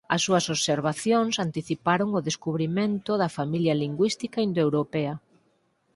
As súas observacións anticiparon o descubrimento da familia lingüística indoeuropea.